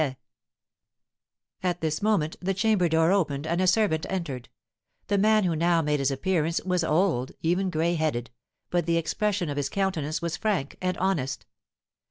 At this moment the chamber door opened and a servant entered; the man who now made his appearance was old, even gray headed, but the expression of his countenance was frank and honest.